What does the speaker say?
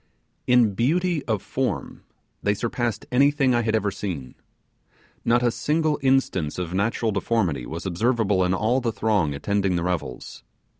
In beauty of form they surpassed anything I had ever seen. Not a single instance of natural deformity was observable in all the throng attending the revels.